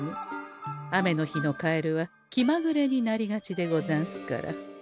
雨の日のカエルは気まぐれになりがちでござんすから。